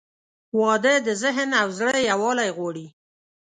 • واده د ذهن او زړه یووالی غواړي.